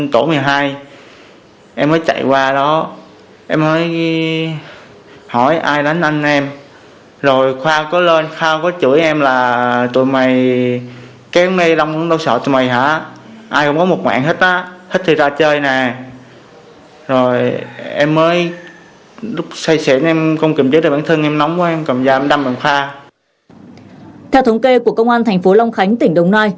theo thống kê của công an thành phố long khánh tỉnh đồng nai